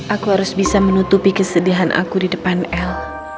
aku harus bisa menutupi kesedihan aku di depan el